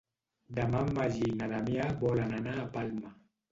Demà en Magí i na Damià volen anar a Palma.